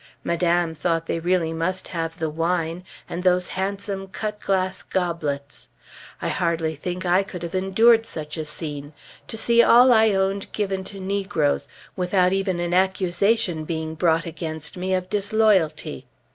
Madame thought they really must have the wine, and those handsome cut glass goblets. I hardly think I could have endured such a scene; to see all I owned given to negroes, without even an accusation being brought against me of disloyalty.